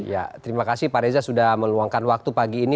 ya terima kasih pak reza sudah meluangkan waktu pagi ini